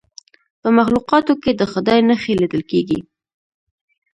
په مخلوقاتو کې د خدای نښې لیدل کیږي.